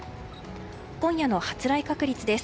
今夜の発雷確率です。